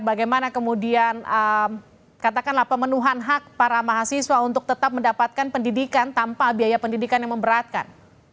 bagaimana kemudian katakanlah pemenuhan hak para mahasiswa untuk tetap mendapatkan pendidikan tanpa biaya pendidikan yang memberatkan